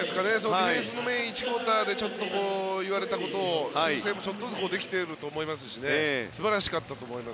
ディフェンスの第１クオーターで言われたことを修正もちょっとずつできていると思いますし素晴らしかったと思います。